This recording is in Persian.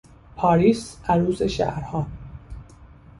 پاریس، عروس شهرها